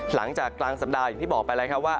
หลังจากกลางสัปดาห์อย่างที่บอกไปแล้วครับว่า